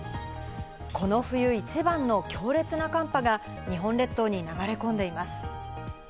この冬一番の強烈な寒波が日本列島に流れ込んでいます。